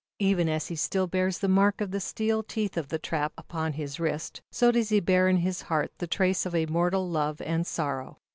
Even as he still bears the mark of the steel teeth of the trap upon his wrist, so does he bear in his heart the trace of a mortal love and sorrow.